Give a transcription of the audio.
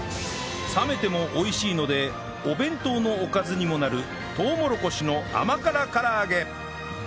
冷めても美味しいのでお弁当のおかずにもなるとうもろこしの甘辛唐揚げ